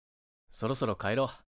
そろそろ帰ろう。